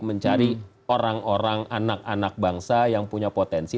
mencari orang orang anak anak bangsa yang punya potensi